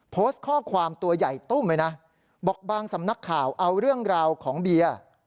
โพสต์ข้อความตัวใหญ่ตุ้มเลยนะบอกบางสำนักข่าวเอาเรื่องราวของเบียร์